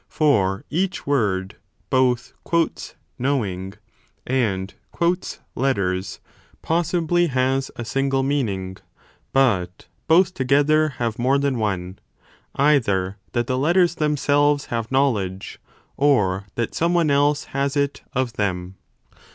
For each word, both knowing and letters , possibly has a single meaning : 20 but both together have more than one either that the letters themselves have knowledge or that some one else has it of them.